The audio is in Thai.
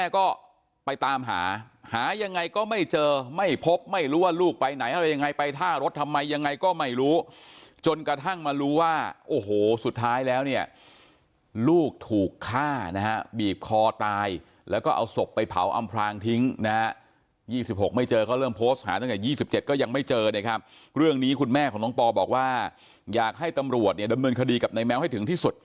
ก็ไปตามหาหายังไงก็ไม่เจอไม่พบไม่รู้ว่าลูกไปไหนอะไรยังไงไปท่ารถทำไมยังไงก็ไม่รู้จนกระทั่งมารู้ว่าโอ้โหสุดท้ายแล้วเนี่ยลูกถูกฆ่านะฮะบีบคอตายแล้วก็เอาศพไปเผาอำพลางทิ้งนะฮะ๒๖ไม่เจอก็เริ่มโพสต์หาตั้งแต่๒๗ก็ยังไม่เจอนะครับเรื่องนี้คุณแม่ของน้องปอบอกว่าอยากให้ตำรวจเนี่ยดำเนินคดีกับนายแมวให้ถึงที่สุด